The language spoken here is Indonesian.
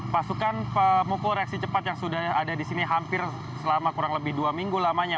pasukan pemukul reaksi cepat yang sudah ada di sini hampir selama kurang lebih dua minggu lamanya